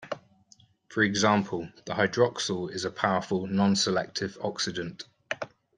For example, the hydroxyl is a powerful, non-selective oxidant.